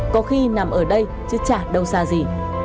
có khi nằm ở đây chứ chả đâu xa gì